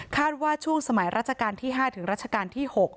ว่าช่วงสมัยราชการที่๕ถึงรัชกาลที่๖